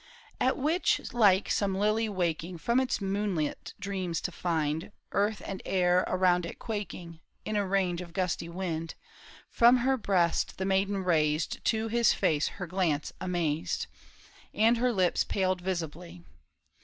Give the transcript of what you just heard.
At which like some lily waking From its moonlit dreams to find Earth and air around it quaking In a rage of gusty wind, From her breast the maiden raised To his face her glance amazed, And her lips paled visibly.